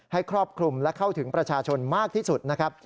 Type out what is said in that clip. ครอบคลุมและเข้าถึงประชาชนมากที่สุดนะครับ